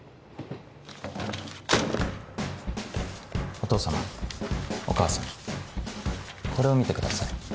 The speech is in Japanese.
お父様お母様これを見てください。